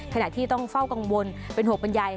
ขณะที่ต้องเฝ้ากังวลเป็นห่วงบรรยาย